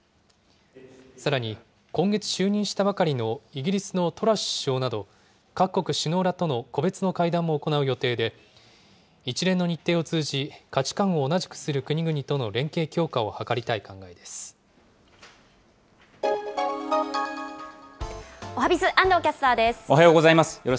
さらに、今月就任したばかりのイギリスのトラス首相など、各国首脳らとの個別の会談も行う予定で、一連の日程を通じ、価値観を同じくする国々との連携強化を図りたおはＢｉｚ、おはようございます。